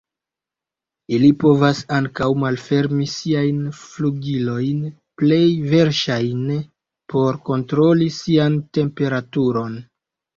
Ili povas ankaŭ malfermi siajn flugilojn, plej verŝajne por kontroli sian temperaturon.